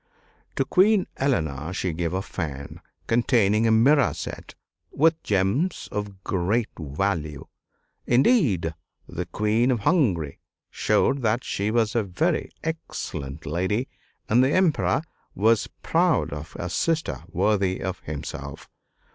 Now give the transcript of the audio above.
To Queen Eleanor she gave a fan containing a mirror set with gems of great value. Indeed, the Queen of Hungary showed that she was a very excellent lady, and the Emperor was proud of a sister worthy of himself.